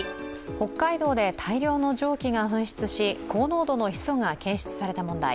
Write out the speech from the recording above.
北海道で大量の蒸気が噴出し、高濃度のヒ素が検出された問題。